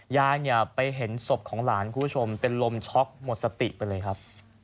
ยายเนี่ยไปเห็นศพของหลานคุณผู้ชมเป็นลมช็อกหมดสติไปเลยครับ